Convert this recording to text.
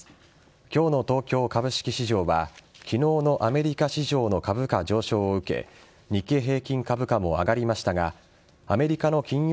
今日の東京株式市場は昨日のアメリカ市場の株価上昇を受け日経平均株価も上がりましたがアメリカの金融